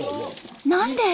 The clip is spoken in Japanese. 何で？